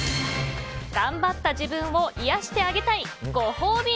頑張った自分を癒やしてあげたいご褒美